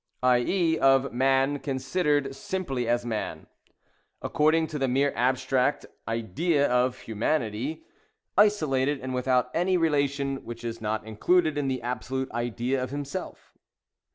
— i. e. of Man considered simply as man. — according to the mere abstract idea of humanity; — b2 ■•. I. ill any relation which is not Included in the absolute idea of himself.'